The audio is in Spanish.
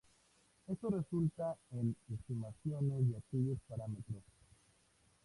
Esto resulta en estimaciones de aquellos parámetros.